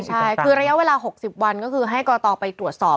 ใช่คือระยะเวลา๖๐วันก็คือให้กรตไปตรวจสอบ